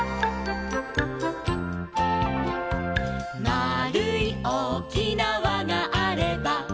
「まあるいおおきなわがあれば」